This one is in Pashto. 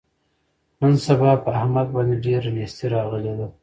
نن سبا په احمد باندې ډېره نیستي راغلې ده.